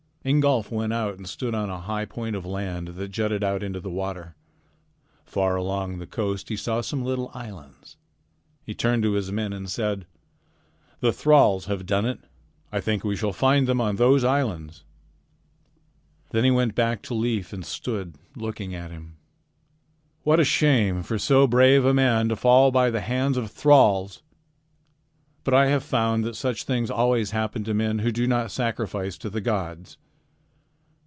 Ingolf went out and stood on a high point of land that jutted out into the water. Far along the coast he saw some little islands. He turned to his men and said: "The thralls have done it. I think we shall find them on those islands." Then he went back to Leif and stood looking at him. "What a shame for so brave a man to fall by the hands of thralls! But I have found that such things always happen to men who do not sacrifice to the gods.